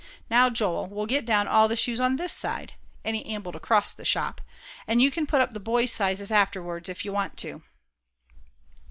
"Now, Joel, we'll get down all the shoes on this side," and he ambled across the shop, "an' you can put up the boys' sizes, afterwards, if you want to."